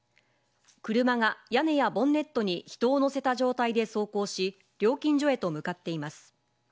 車が屋根やボンネットに人を乗せた状態で走行し、料金所へと向かっています。